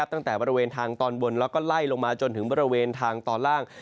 ตั้งแต่บริเวณทางตอนบนแล้วก็ไล่ลงมาจนถึงบริเวณทางตอนล่าง